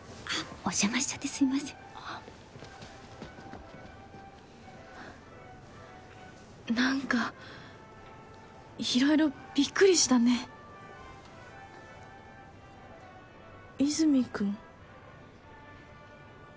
お邪魔しちゃってすいません何か色々びっくりしたね和泉君？